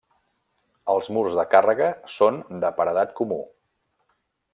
Els murs de càrrega són de paredat comú.